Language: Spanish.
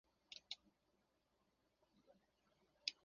El templo de la ciudad fue saqueado y sus documentos destruidos.